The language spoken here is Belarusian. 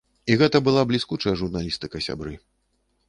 І гэта была бліскучая журналістыка, сябры.